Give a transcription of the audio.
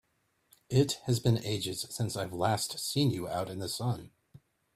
It has been ages since I've last seen you out in the sun!